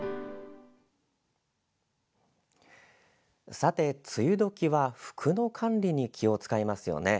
さて、梅雨時は服の管理に気を使いますよね。